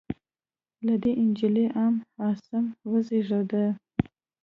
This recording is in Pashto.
له دې نجلۍ ام عاصم وزېږېده.